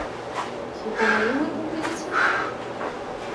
Хіба на ім вы паедзеце?